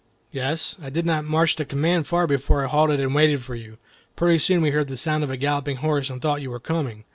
"Yes; I did not march the command far before I halted and waited for you. Pretty soon we heard the sound of a galloping horse, and thought you were coming.